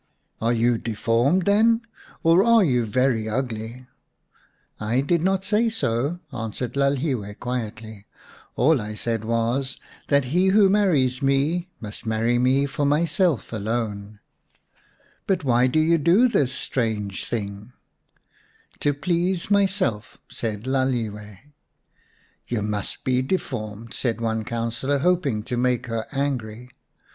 " Are you deformed, then ? Or are you very ugly?" " I did not say so," answered Lalhiwe quietly. " All I said was that he who marries me must marry me for myself alone." " But why do you do this strange thing ?" H4 xii Baboon Skins " To please myself," said Lalhiwe. " You must be deformed," said one councillor, hoping to make her angry.